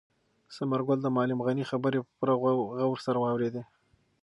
ثمرګل د معلم غني خبرې په پوره غور سره واورېدې.